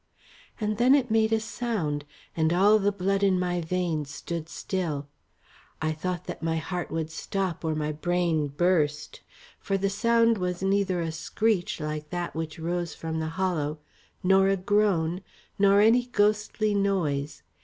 And then it made a sound, and all the blood in my veins stood still. I thought that my heart would stop or my brain burst. For the sound was neither a screech like that which rose from the hollow, nor a groan, nor any ghostly noise.